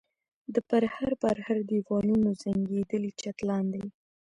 د پرهر پرهر دېوالونو زنګېدلي چت لاندې.